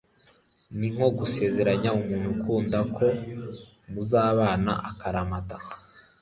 ni nko gusezeranya umuntu ukunda ko muzabana akaramata